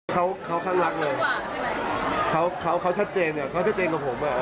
เขาเขารักเลยเขาเขาชัดเจนเนี่ยเขาชัดเจนกับผมอ่ะ